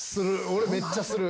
俺、めっちゃする。